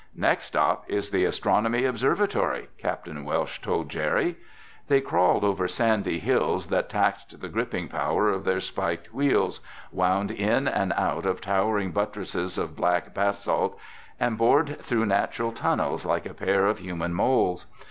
"Next stop is the astronomy observatory," Capt. Welsh told Jerry. They crawled over sandy hills that taxed the gripping power of their spiked wheels, wound in and out of towering buttresses of black basalt, and bored through natural tunnels like a pair of human moles.